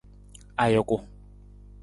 Ajuku.